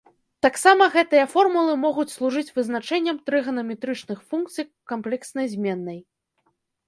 Таксама гэтыя формулы могуць служыць вызначэннем трыганаметрычных функцый камплекснай зменнай.